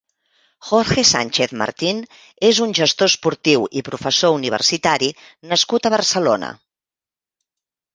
Jorge Sánchez Martín és un gestor esportiu i professor universitari nascut a Barcelona.